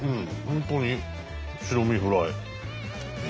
本当に白身フライ。